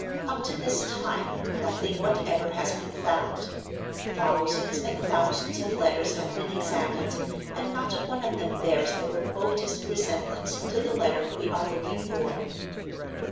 Up to this time, nothing whatever has been found. Thousands and thousands of letters have been examined, and not one of them bears the remotest resemblance to the letter we are looking for.